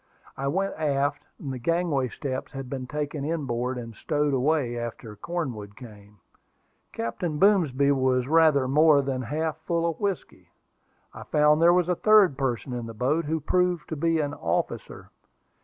I went aft. The gangway steps had been taken in board, and stowed away after Cornwood came. Captain Boomsby was rather more than half full of whiskey. I found there was a third person in the boat, who proved to be an officer.